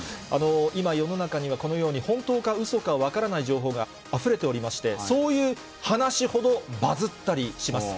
今、世の中にはこのように、本当かうそか分からない情報があふれておりまして、そういう話ほどバズったりします。